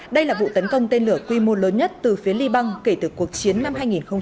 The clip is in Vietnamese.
đây là vụ tấn công tên lửa quy mô lớn nhất từ phía liban kể từ cuộc chiến năm hai nghìn sáu